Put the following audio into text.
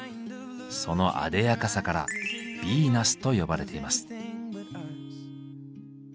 そのあでやかさから「ヴィーナス」と呼ばれています。